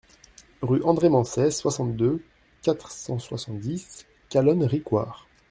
Rue André Mancey, soixante-deux, quatre cent soixante-dix Calonne-Ricouart